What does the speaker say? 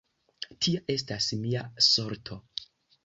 Tia estas mia sorto!